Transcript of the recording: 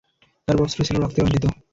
তার বস্ত্র ছিল রক্তে রঞ্জিত।